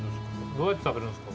どうやって食べるんすか？